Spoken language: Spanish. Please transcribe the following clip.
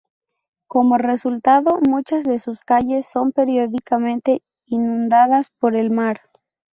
Como resultado, muchas de sus calles son periódicamente inundadas por el mar.